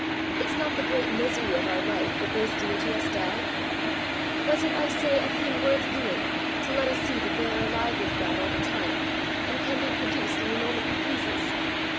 Is not the great misery of our life, that those dear to us die? Was it, I say, a thing worth doing, to let us see that they are alive with God all the time, and can be produced any moment he pleases?"